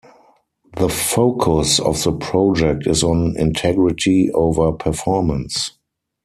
The focus of the project is on integrity over performance.